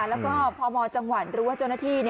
แล้วก็พมจังหวัดหรือว่าเจ้าหน้าที่